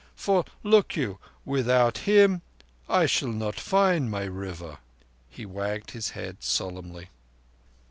for, look you, without him I shall not find my River." He wagged his head solemnly.